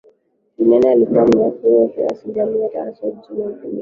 duniani Alikuwa Myahudi Farisayo mzaliwa wa Tarso mji wa Kilikia